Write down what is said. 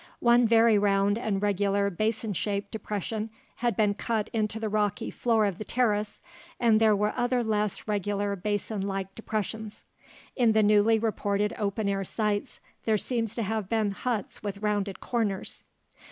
One very round and regular basin shaped depression had been cut into the rocky floor of the terrace, and there were other less regular basin like depressions. In the newly reported open air sites, there seem to have been huts with rounded corners.